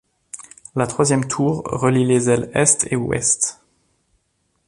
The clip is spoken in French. La troisième tour relie les ailes Est et Ouest.